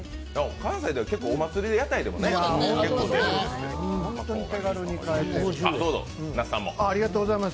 関西では結構お祭りの屋台でも出たりするんです。